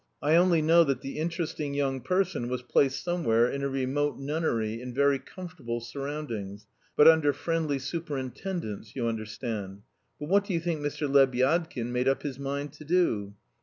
I only know that the interesting young person was placed somewhere in a remote nunnery, in very comfortable surroundings, but under friendly superintendence you understand? But what do you think Mr. Lebyadkin made up his mind to do?